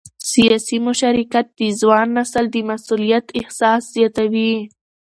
سیاسي مشارکت د ځوان نسل د مسؤلیت احساس زیاتوي